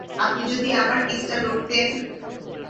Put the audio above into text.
আপনি যদি আমার কেসটা লড়তেন।